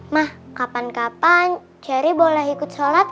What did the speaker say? mah kapan kapan cherry boleh ikut sholat kan